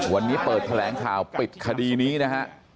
วันนี้เปิดแถลงข่าวปิดคดีนี้นะฮะ